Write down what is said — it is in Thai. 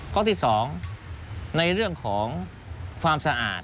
ข้อที่๒ในเรื่องของความสะอาด